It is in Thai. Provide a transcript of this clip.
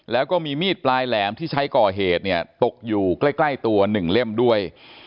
แล้วก็มีมีดปลายแหลมที่ใช้ก่อเหตุเนี่ยตกอยู่ใกล้ตัว๑เล่มด้วย